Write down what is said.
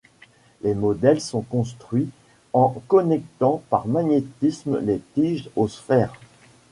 Les modèles sont construits en connectant par magnétisme les tiges aux sphères.